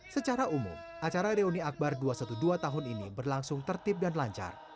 secara umum acara reuni akbar dua ratus dua belas tahun ini berlangsung tertib dan lancar